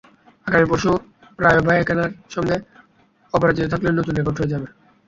আগামী পরশু রায়ো ভায়েকানোর সঙ্গে অপরাজিত থাকলেই নতুন রেকর্ড হয়ে যাবে।